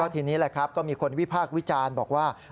ทีนี้ก็มีคนวิพากษ์วิจารณ์บอกว่า